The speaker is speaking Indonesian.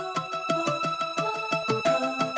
nih aku tidur